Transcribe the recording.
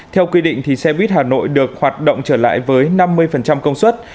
theo quy định xe buýt hà nội được hoạt động trở lại với năm mươi công suất